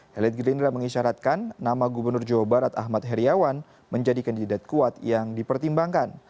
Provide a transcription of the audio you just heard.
helit gerindra mengisyaratkan nama gubernur jawa barat ahmad heriawan menjadi kandidat kuat yang dipertimbangkan